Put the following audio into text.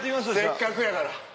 せっかくやから。